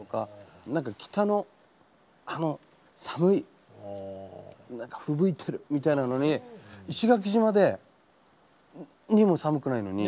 何か北のあの寒い何かふぶいてるみたいなのに石垣島で何も寒くないのに。